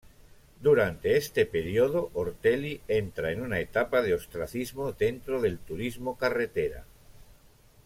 Durante este período, Ortelli entra en una etapa de ostracismo dentro del Turismo Carretera.